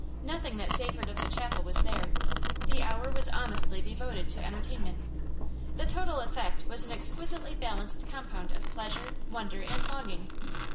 Nothing that savored of the chapel was there: the hour was honestly devoted to entertainment. The total effect was an exquisitely balanced compound of pleasure, wonder, and longing.